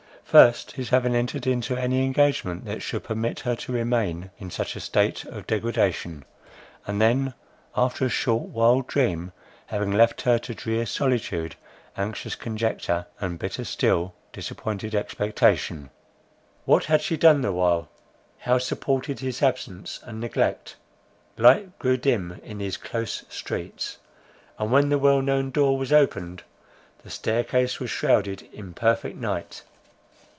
First, his having entered into any engagement that should permit her to remain in such a state of degradation; and then, after a short wild dream, having left her to drear solitude, anxious conjecture, and bitter, still—disappointed expectation. What had she done the while, how supported his absence and neglect? Light grew dim in these close streets, and when the well known door was opened, the staircase was shrouded in perfect night.